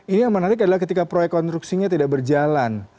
ini yang menarik adalah ketika proyek konstruksinya tidak berjalan